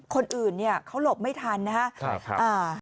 คนอื่นเนี่ยเขาหลบไม่ทันนะครับ